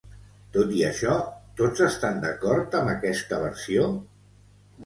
Tot i això, tots estan d'acord amb aquesta versió?